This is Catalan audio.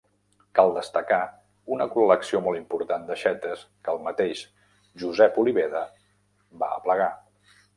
Cal destacar una col·lecció molt important d'aixetes que el mateix Josep Oliveda va aplegar.